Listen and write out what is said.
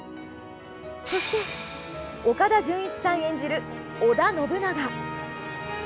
そして、岡田准一さん演じる織田信長。